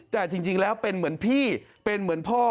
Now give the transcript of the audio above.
แต่จริงแล้วเป็นเหมือนพี่เป็นเหมือนพ่อ